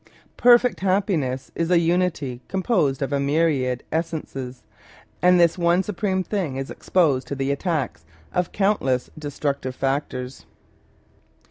Perfect happiness is a unity composed of a myriad essences; and this one supreme thing is exposed to the attacks of countless destructive factors.